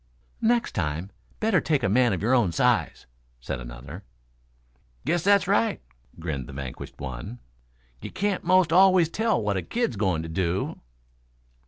"Next time better take a man of your size," said another. "Guess that's right," grinned the vanquished one. "Ye can't most always tell what a kid's going to do."